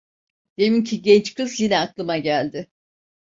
Deminki genç kız yine aklıma geldi…